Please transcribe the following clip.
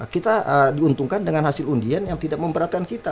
kita diuntungkan dengan hasil undian yang tidak memberatkan kita